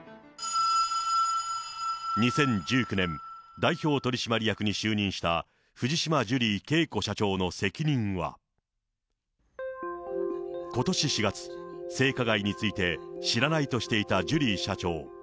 ２０１９年、代表取締役に就任した、藤島ジュリー景子社長の責任は。ことし４月、性加害について、知らないとしていたジュリー社長。